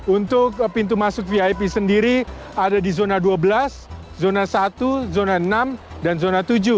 untuk pintu masuk vip sendiri ada di zona dua belas zona satu zona enam dan zona tujuh